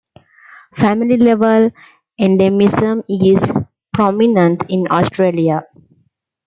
Family-level endemism is prominent in Australia.